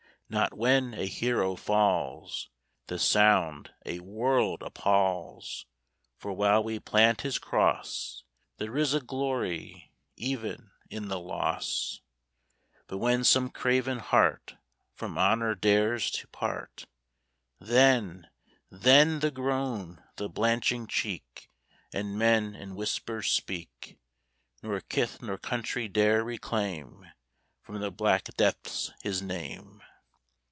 Not when a hero falls The sound a world appalls: For while we plant his cross There is a glory, even in the loss: But when some craven heart From honor dares to part, Then, then, the groan, the blanching cheek, And men in whispers speak, Nor kith nor country dare reclaim From the black depths his name.